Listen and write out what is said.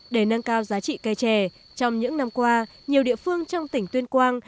để nâng cao giá trị cây trẻ trong những năm qua nhiều địa phương trong tỉnh tuyên quang